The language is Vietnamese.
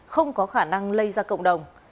không có khả năng lây ra cộng đồng